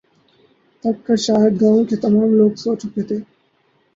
تھک کر شاید گاؤں کے تمام لوگ سو چکے تھے